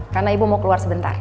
karena ibu mau keluar sebentar